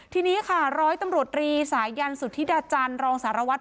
ทีนี้ค่ะร้อยตำรวจรีสายันสุธิดาจันทร์รองสารวัตร